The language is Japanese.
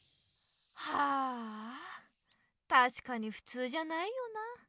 はぁたしかにふつうじゃないよな。